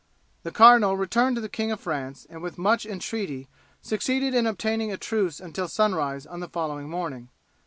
The cardinal returned to the King of France and with much entreaty succeeded in obtaining a truce until sunrise on the following morning.